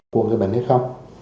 của người bệnh hay không